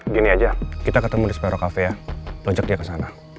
gini aja kita ketemu di spero cafe ya lonjak dia ke sana